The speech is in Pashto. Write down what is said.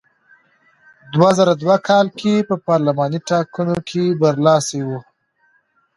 دوه زره دوه کال کې په پارلماني ټاکنو کې برلاسی و.